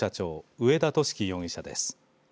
上田敏樹容疑者です。